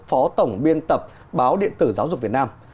phó tổng biên tập báo điện tử giáo dục việt nam